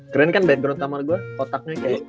keren kan background kamar gue otaknya kayak